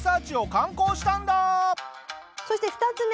そして２つ目。